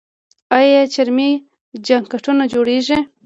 آیا چرمي جاکټونه جوړیږي؟